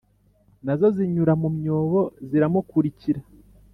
Na zo zinyura mu myobo ziramukurikira